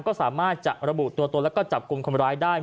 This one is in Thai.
ก็สามารถจะระบุตัวตนแล้วก็จับกลุ่มคนร้ายได้